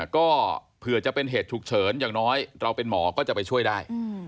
ก็เผื่อจะเป็นเหตุฉุกเฉินอย่างน้อยเราเป็นหมอก็จะไปช่วยได้